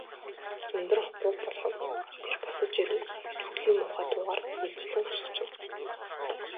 "Ундрах буг болов. Тэр босож ирэв" гэж үхлийн муухай дуугаар үргэлжлэн хашхичив.